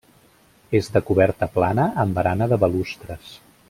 És de coberta plana amb barana de balustres.